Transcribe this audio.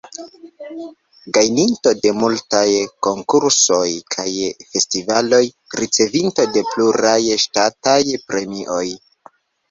Gajninto de multaj konkursoj kaj festivaloj, ricevinto de pluraj ŝtataj premioj.